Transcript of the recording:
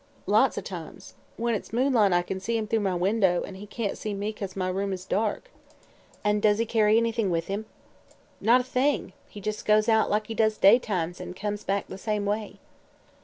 "Lots o' times. When it's moonlight I kin see him through my window, an' he can't see me 'cause my room is dark." "And does he carry anything with him?" "Not a thing. He jes' goes out like he does daytimes, an' comes back the same way."